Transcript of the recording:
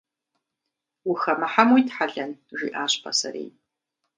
«Ухэмыхьэм уитхьэлэн?» – жиӏащ пасарейм.